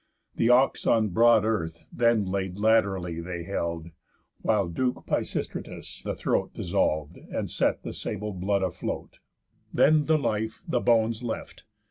The ox on broad earth then laid laterally They held, while duke Pisistratus the throat Dissolv'd, and set the sable blood afloat, And then the life the bones left.